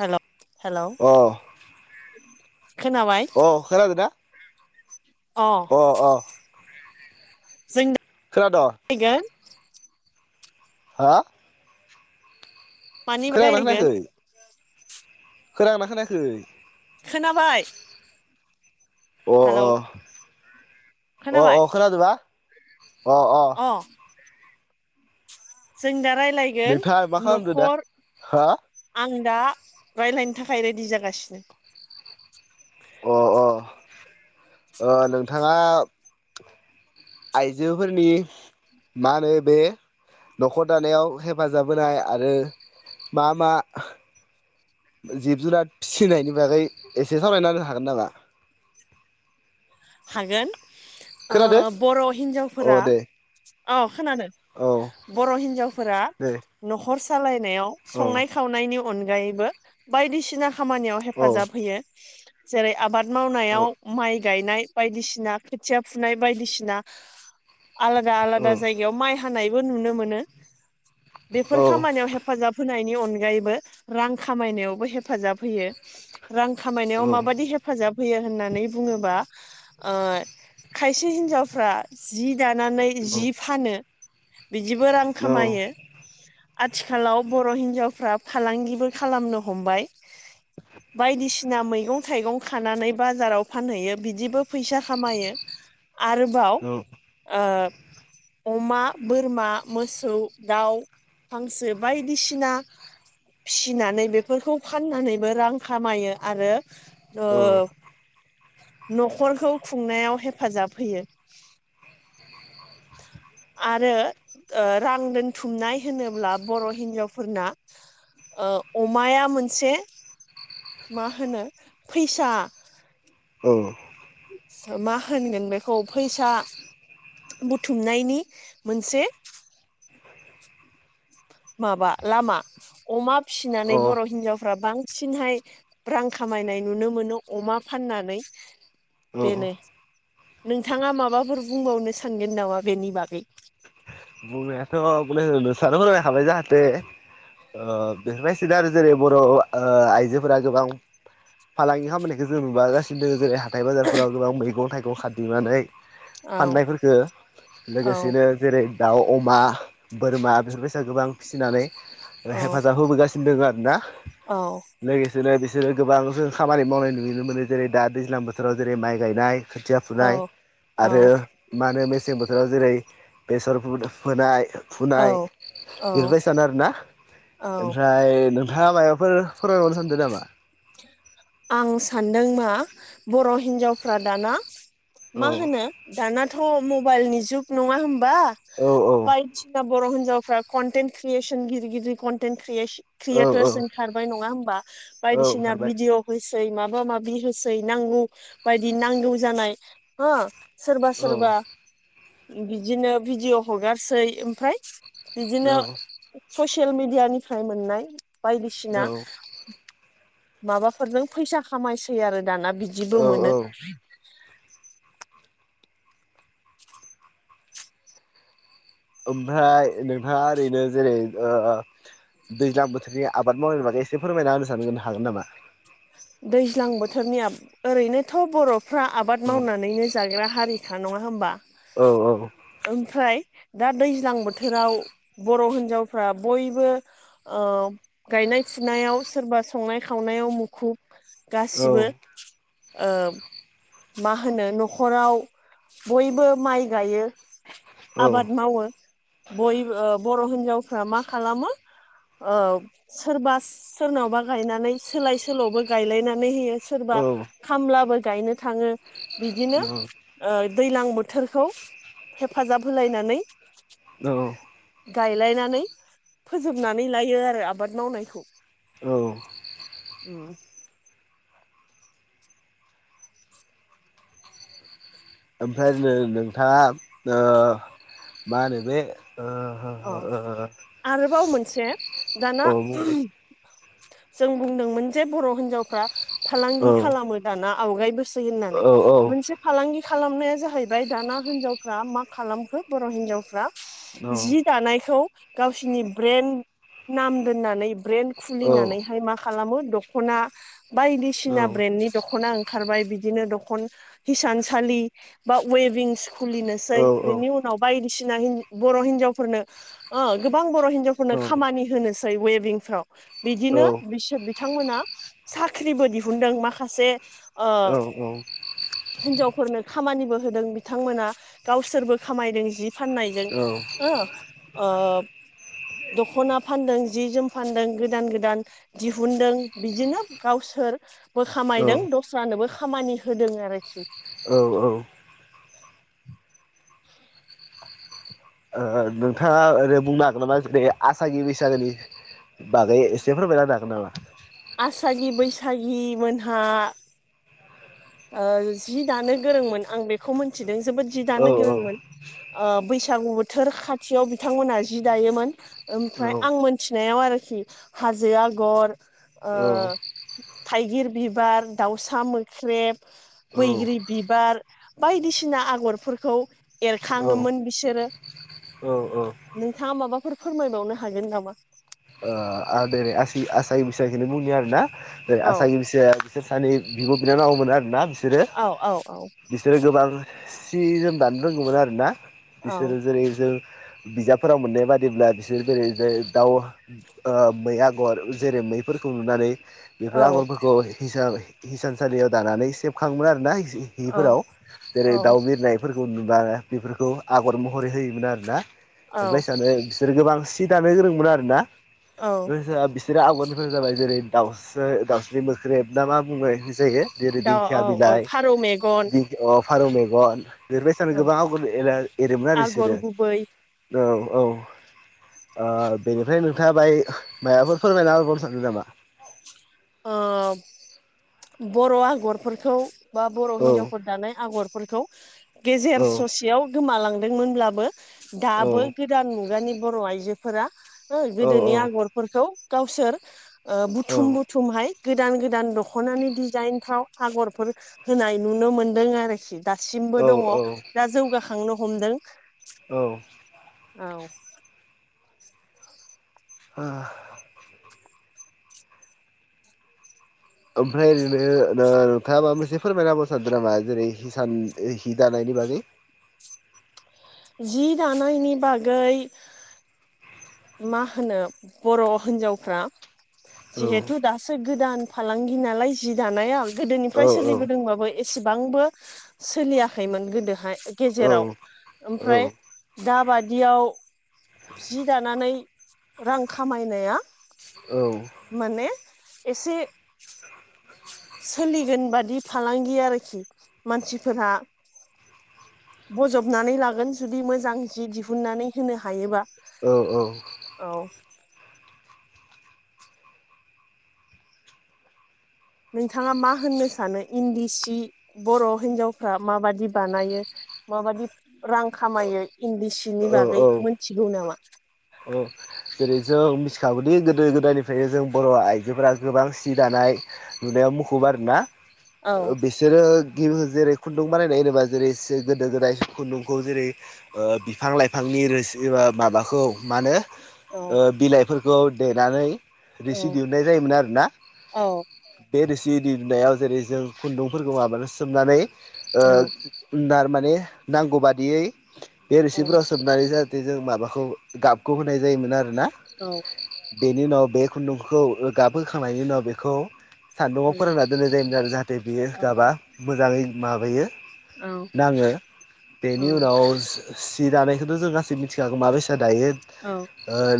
हेल' hello. अ अ खोनादोंना? अ अ। जों खोनादों [unintelligible] हा मानि बागै रायलायगोन खोनादों खोनायाखै? खोनाबाय। अ हेलौ अ अ अ खोनाबाय खोनादोंना? अ अ। जों दा रायज्लायगोन नोंथाङा मा खालामदो दा न'खर हा आं दा रायज्लायनो थाखाय रेडि जागासिनो अ अ नोंथाङा। आइजोफोरनि मा होनो बे न'खर दानायाव हेफाजाब होनाय आरो मा मा जिब जुनार फिसिनायनि बागै एसे सावालरायनानै हागोन नामा? हागोन ओ खोनादो बर' अ हिन्जावफोरा दे औ खोनादों औ बर' हिनजावफोरा दे न'खर सालायनायाव औ संनाय खावनायनि अनगायैबो बायदिसिना खामानियाव औ हेफाजाब होयो जेरै' आबाद औ मावनायाव माइ गायनाय बायदिसिना खोथिया फुनाय बायदिसिना आलादा आलादा औ जायगायाव माइ बो नुनो मोन बेफोर खामानियाव हेफाजाब होनाय नि अनगायैबो रां खामायनायावबो हेफाजाब होयो रां खामायनायाव माबायदि हेफाजाब होयो होननानै बुङोबा ओ खायसे हिन्जावफ्रा जि दानानै जि फानो बिदिबो रां औ औ खामायो आथिखालाव बर' हिन्जावफ्रा फालांगिबो खालामनो हमबाय बायदिसिना मैगं थाइगं खानानै बाजाराव फानहैयो बिदिबो फैसा खामायो आरोबाव औ ओ अमा बोरमा मोसौ दाउ हांसो बायदिसिना फिनानै बेफोरखौ फाननानैबो रां खामायो आरो। ओ औ न'खरखौ खुंनायाव हेफाजाब होयो आरो रां दोनथुमनाय होनोब्ला बर' हिन्जावफोरना ओ अमाया मोनसे मा होनो फैसा ओम मा होनगोन बेखौ फैसा बुथुमनायनि मोनसे माबा लामा अमा अ फिसिनानै बर' हिनजावफ्रा बां सिनहाय रां खामायनाय नुनो मोनो अमा फाननानै औ बेनो नोंथाङा माबाफोर बुंबावनो सानगोन नामा बेनि बागै नोंहाथ' [unintelligible] जाहाथे ओ बेफोरबायसानो आरो जेरै बर' आइजोफोरा गोबां फालांगि खामयखौ जों नुबागासिनो दों जेरै हाथाय बाजारफोराव गोबां मैगं थाइगं खादिंनानै औ फाननाय फोरखो औ लोगोसेनो जेरै दाउ आ बोरमा बेफोर बायसा गोबां फिसिनानै औ हेफाजाब होबोगासिनो दङ आरोना औ लोगोसेनो बिसोरो गोबां जों खामानि मावनाय नुनो मोनो जेरै दा दैज्लां बोथोराव जेरै माइ गायनाय खोथिया औ फुनाय आरो औ मा होनो मेसें बोथोराव जेरै बेसर। फोनाय औ फुनाय बेफोर औ बायसानो आरोना औ ओमफ्राय नों थाङा मायबाफोर फोरमाय बावनो सानदों नामा आं सानदों मा बर' हिन्जावफ्रा दाना औ मा होनो दानाथ' मबाइलनि जुग नङा होमबा औ औ बायदिसिना बर' हिन्जावफ्रा कन्टेन्ट क्रियेसन गिदिर गिदिर कन्टेन्ट औ औ क्रियेटारस ओंखारबाय नङा होमबा औ बायदिसिना ओंखारबाय भिदिअ सै माबा माबि होसै नांगौ बायदि नांगौ जानाय हो सोरबा औ सोरबा बिदिनो भिडिअ हगारसै ओमफ्राय बिदिनो औ ससियेल मिडियानिफ्राय मोननाय बायदिसिना औ माबाफोरजों फैसा खामायसै आरो दाना बिदिबो औ मोनो औ ओमफ्राय नोंहा ओरैनो जेरै ओ दैज्लां बोथोरनि आबाद मावनायनि बागै एसे फोरमायना होनो सानगोन हागोन नामा दैज्लां बोथोरनिया आब ओरैनोथ' बर' फ्रा आबाद औ मावनानैनो जाग्रा हारिखा नङा होनोमबा औ औ ओमफ्राय दा दैज्लां बोथोराव बर' हिनजावफ्रा बयबो ओ गायनाय नाय फुनायाव सोरबा संनाय खावनायाव मुखुब औ गासिबो ओ मा होनो न'खराव बयबो माइ गायो। आबाद मावो बय ओ बर' हिनजावफ्रा मा खालामो सोरबा सोरनावबा गायनानै सोलाय सोल'बो गायलायनानै होयो सोरबा औ खामलाबो गायनो थाखाय थाङो बिदिनो दैज्लां बोथोरखौ हेफाजाब होलायनानै औ गायलायनानै फोजोबनानै लायो आरो आबाद मावनायखौ। औ। औ। ओमफ्राय नोंथाङा मा होनो बे ओ हो औ हो आरोबाव मोनसे दाना ओ औ बुंनाय जों बुंदोंमोन जे बर' हिनजावफ्रा फालांगि खालामो दाना आवगाय बोसोर होननानै औ औ औ औ मोनसे फालांगि खालामनाया जाहैबाय दाना हिनजावफ्रा मा खालामखो बर' हिनजावफ्रा जि दानायखौ गावसिनि ब्रेन्ड नाम दोननानै ब्रेन खुलिनानैहाय मा खालामो दख'ना औ बायदिसिना ब्रेन्डनि दख'ना ओंखारबाय बिदिनो हिसानसालि बा उइबिंस औ खुलिनोसै बिनि उनाव बायदि बायदिसिना बर' हिनजावफोरनो गोबां बर' हिनजावफोरनो खामानि होनोसै उइबिंफ्राव। बिदिनो बिसोर बिथांमोना साख्रिबो दिहुनदों माखासे हिन्जावफोरनो खामानिबो होदों बिथांमोना गावसोरबो खामायदों जि फाननायजों। ओ दखना फानदों जि जोम फानदों गोदान गोदान दिहुुनदों। बिदिनो गावसोरबो खामायदों दस्रा नोबो खामानि होदों आरोखि। औ औ नोंथाङा ओरै बुंनो हागोन नामा आसागि बैसागोनि बाखै एसे फोरमायना होनो हागोन नामा आसागि बैसागि मोनहा जि दानो गोरोंमोन आं बेखौ मोनथिदों जोबोद जि औ दानो औ गोरोंमोन बैसागु बोथोर खाथियाव बिथांमोनहा जि दायोमोन औ ओमफ्राय आं मोनथिनायाव आरोखि हाजो आगर ओ औ थाइगिर बिबार दाउसा मोख्रेब बैग्रि बिबार बायदिसिना आगरफोरखौ औ एरखाङोमोन बिसोरो औ ओ नोंथाङा माबाफोर फोरमायबावनो हागोन नामा [unintelligible] आसागि बैसागिखौनो बुंनो आरोना जे औ आसागि बैसागिया बिसोर सानै भिब' बिनानावमोन आरोना बिसोरो औ औ औ बिसोरो गोबां सि जोम दानो रोंगौमोन आरोना औ बिसोरो जेरै जों बिजाबफोराव मोननाय बादिब्ला बिसोर जेरै दाउ मै आगर जेरै मैफोरखौ नुनानै बेफोर औ आगरफोरखौ हिसाबै हिसानसालियाव दानानै सेबखाङोमोन आरो ना औ जिफोराव जेरै औ दाउ बिरनायफोरखौ नुबा बेफोरखौ आगर महरै होयोमोन आरोना बे औ भाइसानो बिसोर गोबां सि दानो गोरोंमोन आरोना औ आवगरनिफोर जाबाय जेरै दाउसा दाउस्रि मोख्रेब ना मा बुङो जायो जेरै दा दिंखिया औ औ बिलाइ फारौ मेगन [unintelligible] फारौ मेगन बेरबाय सानो औ गोबां आगर एरोमोन आरो आगर बिसोरो गुबै औ औ बेनिफ्राय थाबाय माबाफोर फोरमायना होबावनो सानदों नामा ओ बर' आगरफोरखौ बा बर' औ हिनजावफोर दानाय आगरफोरखौ गेजेर औ ससेयाव गोमालांदोंमोनब्लाबो औ दाबो गोदान मुगानि बर' आइजोफोरा औ गोदोनि आगरफोरखौ गावसोर बुथुम बुथुम गोदान गोदान दख'नानि डिजाइनफ्राव आगरफोर होनाय नुनो मोनदों आरोखि दासिमबो औ दङ औ दा जौगाखांनो हमदों औ औ ओ ओमफ्राय ओरैनो नोंथाङा माबा मोनसे फोरमायनाहोबावनो सानदों नामा जेरै हिसान हि दानाय बेबादै जि दानायनि बागै मा होनो बर' हिनजावफ्रा औ जिहेथु दासो गोदान फालांगि नालाय जि दानाया औ गोदोनिफ्राय सोलिबोदोंबाबो एसेबांबो सोलियाखैमोन गोदोहाय औ गेजेराव औ ओमफ्राय दाबादियाव जि दानानै रां खामायनाया माने एसे सोलिगोन बादि फालांगि आरोखि मानसिफोरा बजबनानै लागोन जुदि मोजां जि दिहुननानै होनो हायोबा औ औ औ नोंथाङा मा होननो सानो इन्दि सि बर' हिन्जावफ्रा माबादि बानायो माबादि रां खामायो इंन्दिसिनि औ बागै औ मोनथिगौ नामा औ जेरै जों मिथिखागौदि गोदो गोदायनिफ्रायनो जों बर' आइजोफोरा गोबां सि दानाय नुनायाव मुखुब आरोना औ बिसोरो जेरै खुन्दुं बानायनाय होनोबा जेरै गोदो गोदाय खुन्दुंखौ जेरै ओ बिफां लाइफांनि नि रोसि माबाखौ मा होनो औ ओ बिलाइफोरखौ देनानै रिसि औ दिहुननाय जायोमोन आरोना औ बे रोसि दै दुनायाव जेरै जों खुन्दुंफोरखौ माबानानै सोमनानै औ माने नांगौ बादियै बे औ रोसिफोराव सोबनानै जाहाथे जों माबाखौ गाबखौ होनाय जायोमोन आरो ना औ बेनि उनाव बे खुन्दुंखौ गाबहोखांनायनि उनाव बेखौ औ सान्दुङआव फोरोंना दोननाय जायोमोन आरो जाहाथे बियो गाबा मोजाङै माबायो औ नाङो बेनि उनाव सि दानायखौथ' जों गासैबो मिथिखागौ माबे दायो औ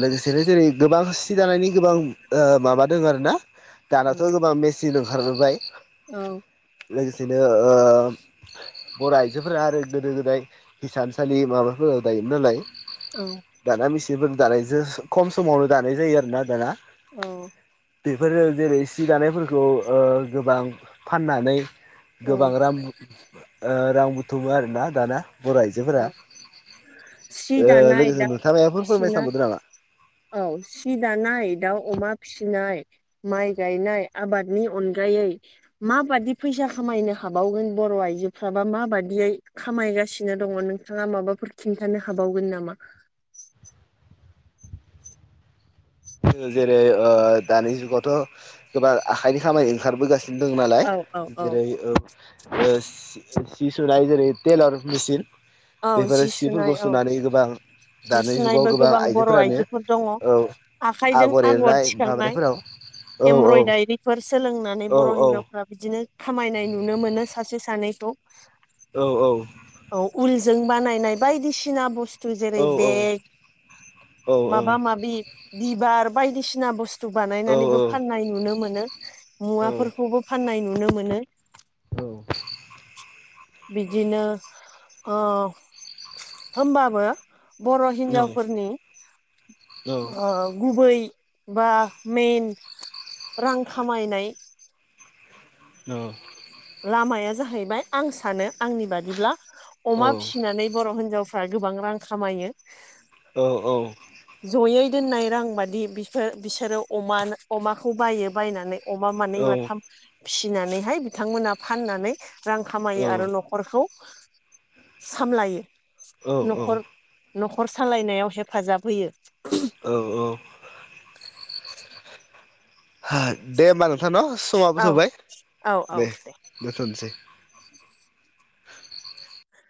लोगोसेनो जेरै गोबां सि दानायनि गोबां माबा दङ आरोना दानाथ' गोबां मेचिन ओंखारबोबाय औ। लोगोसेनो ओ बर' आइजोफोरा आरो गोदो गोदाय हिसानसालि माबाफोराव दायोमोन नालाय औ। दाना मिचिनफोर दानायजों खम समावनो दानाय जायो आरोना दाना। औ। बेफोरो जेरै सि दानायफोरखौ ओ गोबां फाननानै गोबां औ राम ओ रां बुथुमो आरोना दाना। बर' आइजोफोरा सि ओ दानाय लोगोसे नो। [unintelligible] औ सि दानाय दाउ अमा फिसि नाय माइ गायनाय आबादनि अनगायै माबादि फैसा खामायनो हाबाव रो बर' आइजोफ्राबा माबादियै खामायगासिनो दङ नोंथाङा माबाफोर खिन्थानो हाबावगोन नामा? जेरै ओ दानि जुगावथ' गोबां आखाइनि खामानि ओंखारबोगासिनो दङ नालाय औ औ औ जेरै ओ ओ सि सुनाय जेरै टेलर मेसिन औ जि बेफोरो सुनाय सिफोरखौ औ सुनानै गोबां जि दानि जुगाव सुनायबो गोबां बर' आइजोफोरानो आइजोफोर दङ औ आखाइजों आगर एरनाय थिखांनाय माबानायफोराव औ औ एमब्रयदारिफोर सोलोंनानै औ बर' औ हिनजावफ्रा बिदि नो खामायनाय नुनो मोनो सासे सानैखौ। औ औ। जों बानायनाय बायदिसिना बुस थु जेरै औ बेग औ औ माबा माबि बिबार बायदिसिना बुस्थु औ बानायनानैबो फाननाय नुनो मोनो मुवाफोरखौबो फाननाय नुनो मोनो। औ। बिदिनो ओ होमबाबो बर' हिनजावफोरनि ओ गुबै बा मेन रां खामायनाय औ। लामाया जाहैबाय आं सानो आंनि बादिब्ला अमा फिसिनानै बर' हिनजाव फ्रा गोबां रां खामायो। औ औ। जयै दोननाय रां बादि बिफोर बिसोरो अमानो अमाखौ बायो बायनानै अमा मानै माथाम फिसिनानैहाय बिथांमोनहा फाननानै रां खामायो आरो न'खरखौ सामलायो। औ औ। न'खर न'खर सालायनायाव हेफाजाब होयो। औ औ। दे होमबा नोंथां न समाबो औ जोब्बाय औ दे औ दोनथनसै।